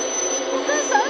お母さん！